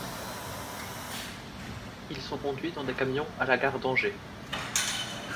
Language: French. Ils sont conduits dans des camions à la gare d'Angers.